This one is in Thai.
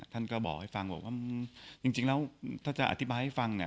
ท่านก็บอกให้ฟังบอกว่าจริงแล้วถ้าจะอธิบายให้ฟังเนี่ย